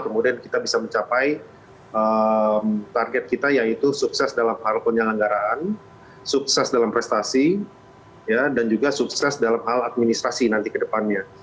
kemudian kita bisa mencapai target kita yaitu sukses dalam hal penyelenggaraan sukses dalam prestasi dan juga sukses dalam hal administrasi nanti ke depannya